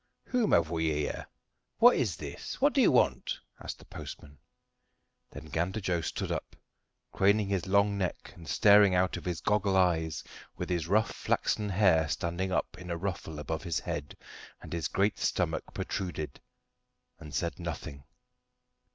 "Whom have we here? What is this? What do you want?" asked the postman. Then Gander Joe stood up, craning his long neck and staring out of his goggle eyes, with his rough flaxen hair standing up in a ruffle above his head and his great stomach protruded, and said nothing.